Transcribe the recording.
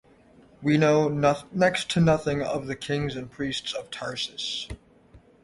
We know next to nothing of the kings and priests of Tarsus.